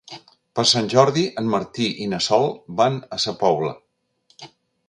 Per Sant Jordi en Martí i na Sol van a Sa Pobla.